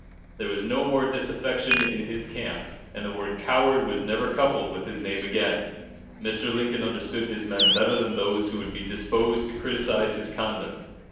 There was no more disaffection in his camp, and the word "coward" was never coupled with his name again. Mr. Lincoln understood his men better than those who would be disposed to criticise his conduct.